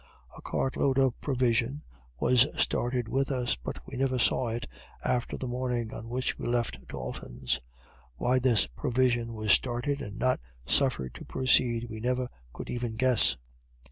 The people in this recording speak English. A cart load of provision was started with us, but we never saw it after the morning on which we left Dalton's. Why this provision was started, and not suffered to proceed, we never could even guess.